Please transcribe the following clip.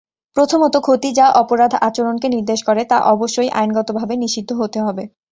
প্রথমত, ক্ষতি যা অপরাধ আচরণকে নির্দেশ করে তা অবশ্যই আইনগতভাবে নিষিদ্ধ হতে হবে।